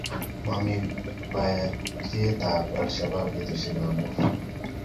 mamii boryekab Alshabaab betusiekab Moi